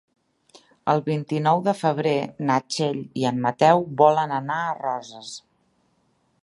El vint-i-nou de febrer na Txell i en Mateu volen anar a Roses.